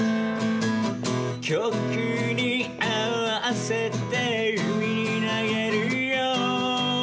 「曲に合わせて」「海に投げるよ」